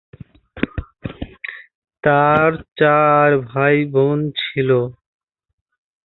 তার চার ভাইবোন ছিল।